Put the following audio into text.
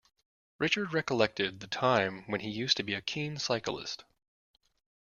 Richard recollected the time when he used to be a keen cyclist.